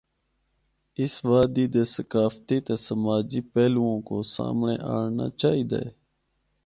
اس وادی دے ثقافتی تے سماجی پہلوؤں کو سامنڑے آنڑنا چائی دا ہے۔